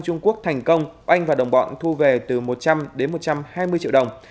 trung quốc thành công oanh và đồng bọn thu về từ một trăm linh đến một trăm hai mươi triệu đồng